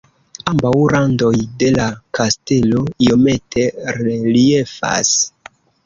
Ambaŭ randoj de la kastelo iomete reliefas.